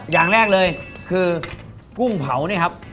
อย่างแรกเลยคือกุ้งเผาเนี่ยครับ